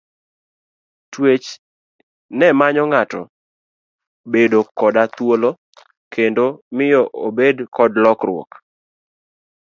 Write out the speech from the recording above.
Twech ne manyo ng'ato bedo koda thuolo kendo miyo obedo kod lokruok.